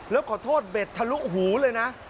แล้วขอโทษเบ็ดทะลุหูเลยนะ